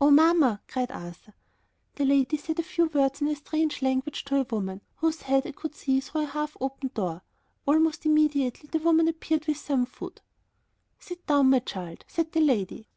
"Oh, Mamma!" cried Arthur. The lady said a few words in a strange language to a woman, whose head I could see through a half open door. Almost immediately the woman appeared with some food. "Sit down, my child," said the lady.